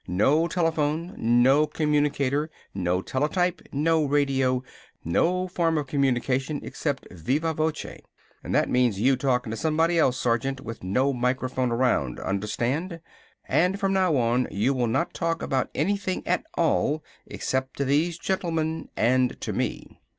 No telephone, no communicator, no teletype, no radio, no form of communication except viva voce. And that means you talking to somebody else, Sergeant, with no microphone around. Understand? And from now on you will not talk about anything at all except to these gentlemen and to me."